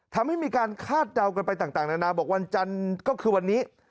ทำให้มีการคาดเดากันไปต่างนานาบอกวันจันทร์ก็คือวันนี้